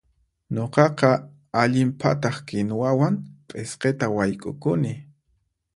Nuqaqa allin phataq kinuwawan p'isqita wayk'ukuni.